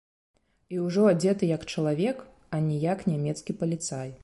І ўжо адзеты як чалавек, а не як нямецкі паліцай.